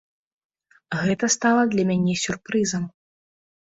Гэта стала для мяне сюрпрызам.